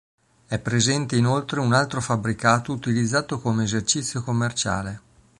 È presente inoltre un altro fabbricato utilizzato come esercizio commerciale.